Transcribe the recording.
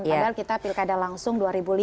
padahal kita pilkada langsung dua ribu lima belas